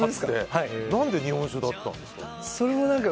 何で日本酒だったんですか？